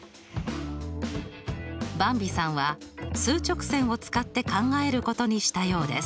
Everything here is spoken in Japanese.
ばんびさんは数直線を使って考えることにしたようです。